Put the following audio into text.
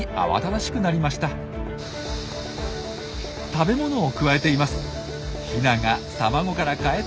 食べ物をくわえています。